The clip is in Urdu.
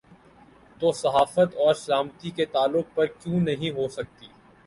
تو صحافت اور سلامتی کے تعلق پر کیوں نہیں ہو سکتی؟